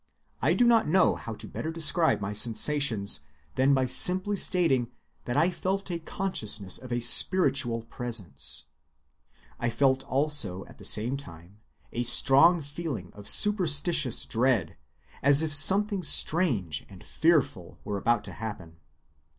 I do not know how to better describe my sensations than by simply stating that I felt a consciousness of a spiritual presence.... I felt also at the same time a strong feeling of superstitious dread, as if something strange and fearful were about to happen."